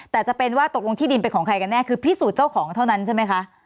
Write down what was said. แต่จะเป็นว่าตกลงที่ดินเป็นของใครกันแน่คือพิสูจน์เจ้าของเท่านั้นใช่ไหมคะ